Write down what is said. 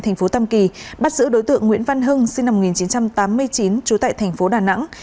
thành phố tam kỳ bắt giữ đối tượng nguyễn văn hưng sinh năm một nghìn chín trăm tám mươi chín trú tại thành phố đà nẵng